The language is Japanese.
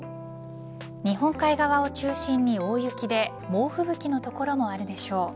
日本海側を中心に大雪で猛吹雪の所もあるでしょう。